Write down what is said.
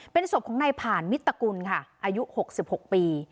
เป็นศพของในผ่านมิตรกุลค่ะอายุหกสิบหกปี